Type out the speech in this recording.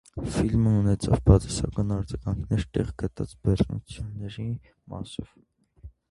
Ֆիլմը ունեցել է բացասական արձագանքներ տեղ գտած բռնությունների մասով։